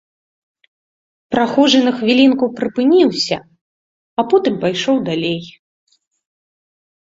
Прахожы на хвілінку прыпыніўся, а потым пайшоў далей.